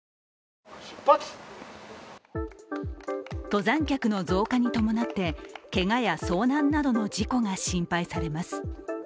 登山客の増加に伴ってけがや遭難などの事故が心配されます。